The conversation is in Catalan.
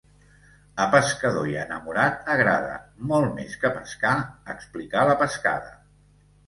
A pescador i a enamorat agrada, molt més que pescar, explicar la pescada.